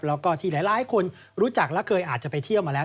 แล้วก็ที่หลายคนรู้จักและเคยอาจจะไปเที่ยวมาแล้ว